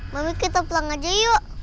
mami kita pelang aja yuk